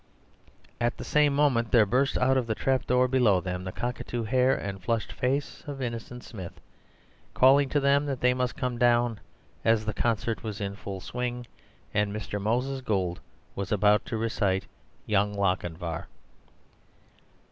At the same moment there burst out of the trapdoor below them the cockatoo hair and flushed face of Innocent Smith, calling to them that they must come down as the "concert" was in full swing, and Mr. Moses Gould was about to recite "Young Lochinvar."